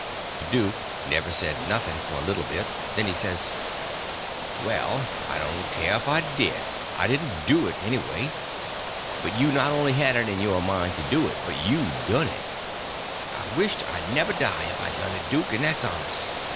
The duke never said nothing for a little bit; then he says: "Well, I don't care if I did, I didn't do it, anyway. But you not only had it in mind to do it, but you done it." "I wisht I never die if I done it, duke, and that's honest.